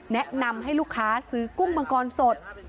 แนะนำให้ลูกค้าซื้อกุ้งมังกรสด